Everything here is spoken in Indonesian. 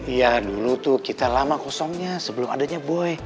iya dulu tuh kita lama kosongnya sebelum adanya boy